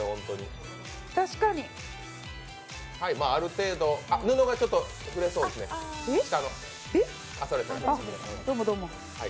ある程度布がちょっと触れそうですね、下の。